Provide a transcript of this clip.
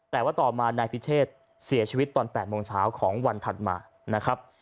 แต่ว่าต่อมานายพิเชษเสียชีวิตตอน๘โมงเช้าของวันถัดมานะครับ